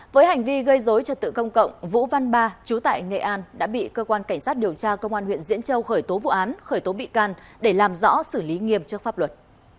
với hành vi gây dối trật tự công cộng vũ văn ba chú tại nghệ an đã bị cơ quan cảnh sát điều tra công an huyện diễn châu khởi tố vụ án khởi tố bị can để làm rõ xử lý nghiêm trước pháp luật